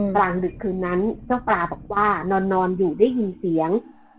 กลางดึกคืนนั้นเจ้าปลาบอกว่านอนอยู่ได้ยินเสียง